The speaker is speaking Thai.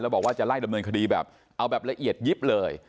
บอกว่าจะไล่ดำเนินคดีแบบเอาแบบละเอียดยิบเลย